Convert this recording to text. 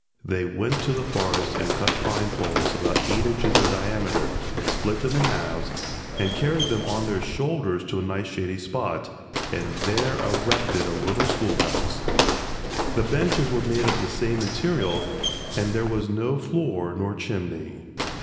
They went to the forest and cut pine poles about eight inches in diameter, split them in halves, and carried them on their shoulders to a nice shady spot, and there erected a little schoolhouse. The benches were made of the same material, and there was no floor nor chimney.